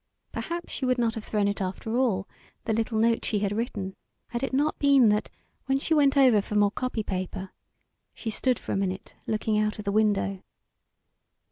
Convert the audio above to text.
Perhaps she would not have thrown it after all the little note she had written had it not been that when she went over for more copy paper she stood for a minute looking out the window.